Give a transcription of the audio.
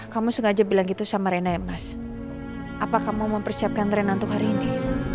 kamu sengaja bilang gitu sama rena ya mas apakah mau mempersiapkan tren untuk hari ini